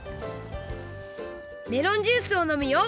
メロンジュースをのむよ！